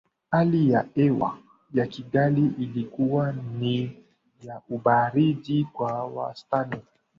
Hali ya hewa ya Kigali ilikuwa ni ya ubaridi kwa wastani